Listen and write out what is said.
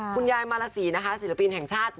คุณยายมาราศีนะคะศิลปินแห่งชาติ